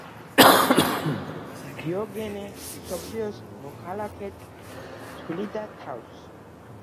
დიოგენე „მსოფლიოს მოქალაქედ“ თვლიდა თავს.